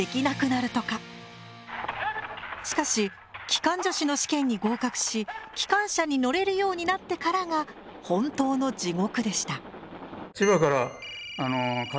しかし機関助士の試験に合格し機関車に乗れるようになってからが本当の地獄でした。